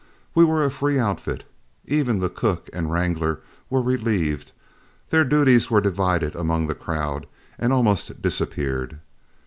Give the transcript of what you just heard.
We were a free outfit; even the cook and wrangler were relieved; their little duties were divided among the crowd and almost disappeared.